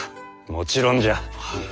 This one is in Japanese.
もちろんじゃ。